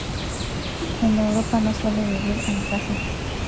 En Europa no suele vivir en casas.